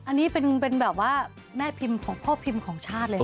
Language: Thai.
อันนี้เป็นแบบว่าแม่พิมพ์ของพ่อพิมพ์ของชาติเลยนะ